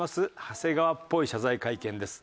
長谷川っぽい謝罪会見です。